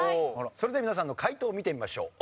それでは皆さんの解答を見てみましょう。